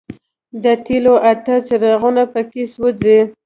د تېلو اته څراغونه په کې سوځي.